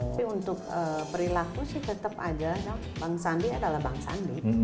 tapi untuk perilaku sih tetap aja bang sandi adalah bang sandi